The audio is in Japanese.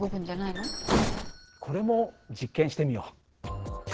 うんこれも実験してみよう。